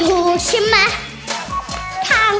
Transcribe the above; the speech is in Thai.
โมโฮโมโฮโมโฮ